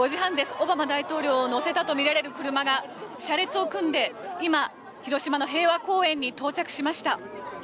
オバマ大統領を乗せたとみられる車が車列を組んで、今広島の平和公園に到着しました。